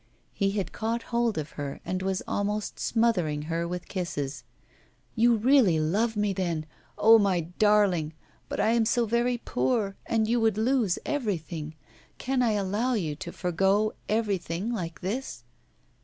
He had caught hold of her, and was almost smothering her with kisses. 'You really love me, then! Oh, my darling! But I am so very poor, and you would lose everything. Can I allow you to forego everything like this?